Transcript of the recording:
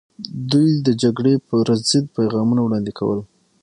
دوی د جګړې پر ضد پیغامونه وړاندې کول.